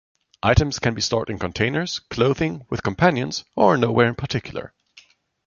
Items can be stored in containers, clothing, with companions, or nowhere in particular.